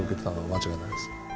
間違いないです。